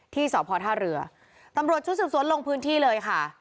ที่สพท่าเรือตำรวจชุดสืบสวนลงพื้นที่เลยค่ะ